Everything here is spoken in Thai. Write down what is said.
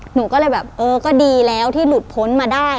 หนูก็เลยแบบเออก็ดีแล้วที่หลุดพ้นมาได้